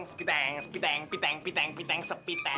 sepiteng sepiteng sepiteng sepiteng sepiteng sepiteng